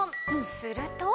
すると。